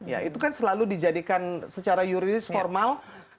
ya itu kan selalu dijadikan secara yuridis formal